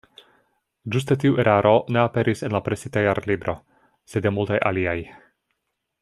Ĝuste tiu eraro ne aperis en la presita Jarlibro, sed ja multaj aliaj.